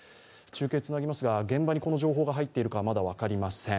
中継をつなぎますが、現場にこの情報が入っているかまだ分かりません。